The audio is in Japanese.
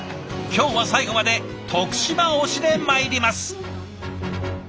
今日は最後まで徳島推しでまいります。